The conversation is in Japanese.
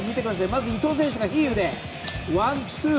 まず伊東選手がヒールでワンツー。